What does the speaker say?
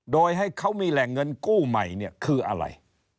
โดยให้เขามีแหล่งเงินกู้ใหม่เนี่ยคืออะไร